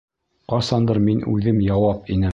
Ҡасандыр мин үҙем яуап инем!